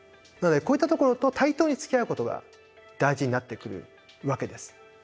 なのでこういったところと対等につきあうことが大事になってくるわけです。